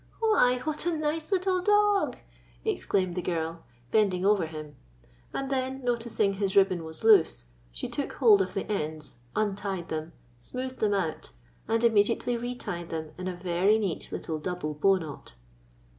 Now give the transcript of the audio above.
"Why, what a nice little dog!" exclaimed the girl, bending over him ; and then, noticing his ribbon was loose, she took hold of the ends, untied them, smoothed them out, and imme diately retied them in a very neat little double bow knot.